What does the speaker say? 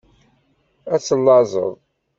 Ad tellaẓeḍ.